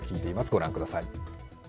ご覧ください。